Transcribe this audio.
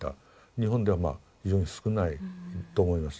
日本ではまあ非常に少ないと思います。